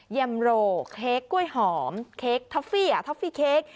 ยำโรเค้กกล้วยหอมเค้กท็อฟฟี่ท็อฟฟี่เค้ก